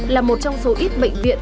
là một trong số ít bệnh viện